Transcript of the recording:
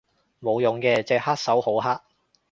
冇用嘅，隻黑手好黑